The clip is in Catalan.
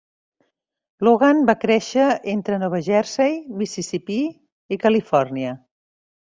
Logan va créixer entre Nova Jersey, Mississipí i Califòrnia.